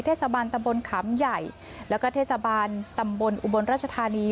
เทศบาลตำบลขามใหญ่แล้วก็เทศบาลตำบลอุบลราชธานี